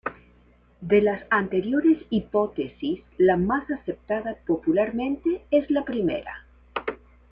De las anteriores hipótesis, la más aceptada popularmente es la primera.